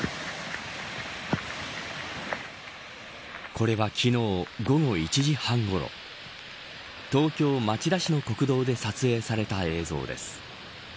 これは昨日、午後１時半ごろ東京、町田市の国道で撮影された映像です